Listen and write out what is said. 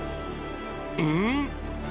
うん？